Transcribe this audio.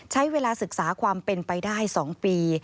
ใช้เวลาศึกษาความเป็นไปได้๒ปี